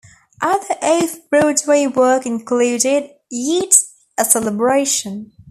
Other Off-Broadway work included "Yeats: A Celebration".